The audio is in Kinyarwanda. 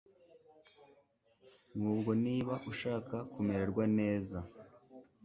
nk ubwo niba ushaka kumererwa neza